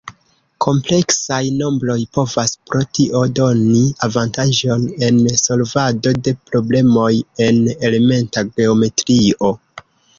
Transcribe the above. Kompleksaj nombroj povas pro tio doni avantaĝon en solvado de problemoj en elementa geometrio.